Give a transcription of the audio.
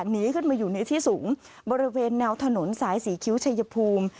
หนีขึ้นมาอยู่ในที่สูงบริเวณแนวถนนสายศรีคิ้วชัยภูมิ